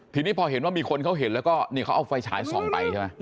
ทีนี้พอเห็นว่ามีคนเขาเห็นแล้วก็นี่เขาเอาไฟฉายส่องไปใช่ไหม